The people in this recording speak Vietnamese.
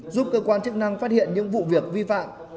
giúp cơ quan chức năng phát hiện những vụ việc vi phạm